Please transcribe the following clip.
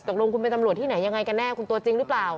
ตกลงคุณเป็นตำรวจที่ไหนยังไงกันแน่คุณตัวจริงหรือเปล่า